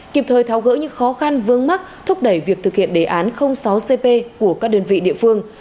kịp thời tháo gỡ những khó khăn vương mắc thúc đẩy việc thực hiện đề án sáu cp của các đơn vị địa phương